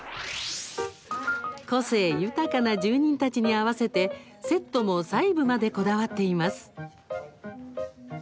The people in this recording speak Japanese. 個性豊かな住人たちに合わせてセットも細部までこだわっています。